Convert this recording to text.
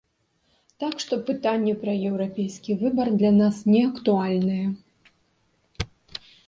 Так што пытанне пра еўрапейскі выбар для нас не актуальнае.